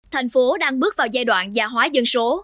thành phố đang bước vào giai đoạn gia hóa dân số